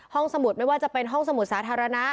สมุดไม่ว่าจะเป็นห้องสมุดสาธารณะ